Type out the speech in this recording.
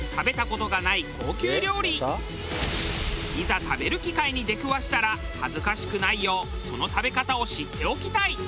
名前ぐらいはいざ食べる機会に出くわしたら恥ずかしくないようその食べ方を知っておきたい。